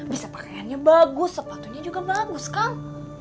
bisa pakaiannya bagus sepatunya juga bagus kang